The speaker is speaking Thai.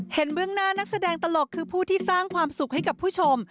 เบื้องหน้านักแสดงตลกคือผู้ที่สร้างความสุขให้กับผู้ชม